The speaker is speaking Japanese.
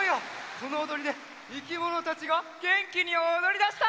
このおどりでいきものたちがげんきにおどりだした！